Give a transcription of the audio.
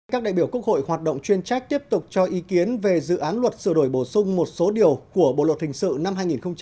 các đại biểu quốc hội hoạt động chuyên trách tiếp tục cho ý kiến về dự án luật sửa đổi bổ sung một số điều của bộ luật hình sự năm hai nghìn một mươi năm